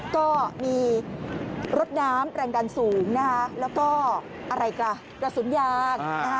ก็มีรถน้ำแรงดันสูงแล้วก็ละสุนยาง